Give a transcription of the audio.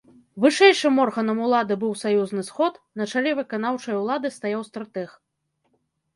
Вышэйшым органам улады быў саюзны сход, на чале выканаўчай улады стаяў стратэг.